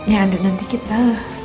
ya aduh nanti kita